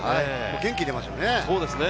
元気出ますよね。